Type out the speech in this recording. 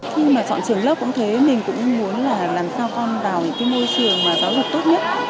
khi mà chọn trường lớp cũng thế mình cũng muốn là làm sao con vào một cái môi trường mà giáo dục tốt nhất